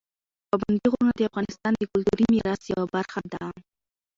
پابندي غرونه د افغانستان د کلتوري میراث یوه برخه ده.